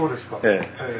ええ。